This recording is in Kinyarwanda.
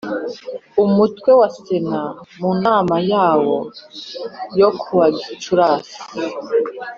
Umutwe wa Sena mu nama yawo yo kuwa Gicurasi